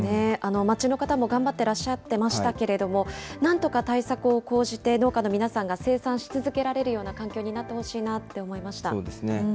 町の方も頑張ってらっしゃってましたけども、なんとか対策を講じて、農家の皆さんが生産し続けられるような環境になってほしいなそうですね。